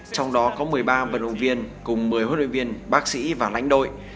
trong đó có một mươi ba vận động viên cùng một mươi huấn luyện viên bác sĩ và lãnh đội